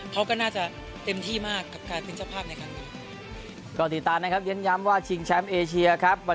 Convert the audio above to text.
เขาก็น่าจะเต็มที่มากกับการเป็นเจ้าภาพในครั้งนี้